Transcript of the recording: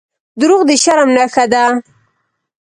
• دروغ د شرم نښه ده.